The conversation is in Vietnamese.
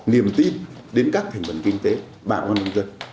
niềm tin đến các thành phần kinh tế bảo vệ nông dân